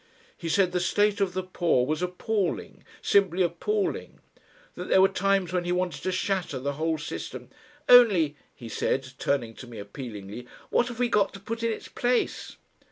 He said the state of the poor was appalling, simply appalling; that there were times when he wanted to shatter the whole system, "only," he said, turning to me appealingly, "What have we got to put in its place?"